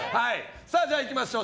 じゃあ、いきましょう。